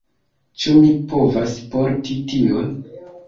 Ĉu mi povas porti tion?